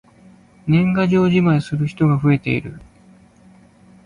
年賀状じまいをする人が増えている。